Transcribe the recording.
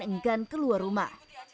enggan keluar rumah